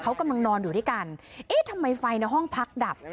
เขากำลังนอนอยู่ด้วยกันเอ๊ะทำไมไฟในห้องพักดับ